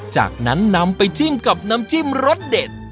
จากนั้นนำไปจิ้มกับน้ำจิ้มรสเด็ด